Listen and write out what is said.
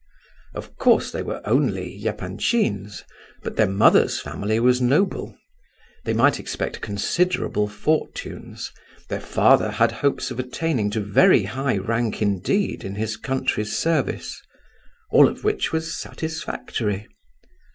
Of course they were only Epanchins, but their mother's family was noble; they might expect considerable fortunes; their father had hopes of attaining to very high rank indeed in his country's service—all of which was satisfactory.